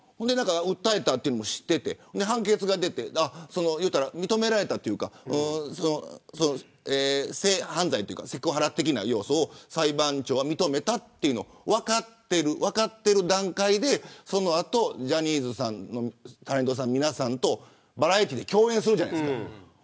訴えたのも知っていて判決が出て認められたというか性犯罪というかセクハラ的な要素を裁判長が認めたというのは分かっている段階でその後ジャニーズさんのタレントさん皆さんとバラエティーで共演するじゃないですか。